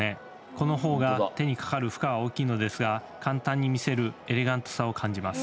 この方が手にかかる負荷は大きいのですが、簡単に見せるエレガントさを感じます。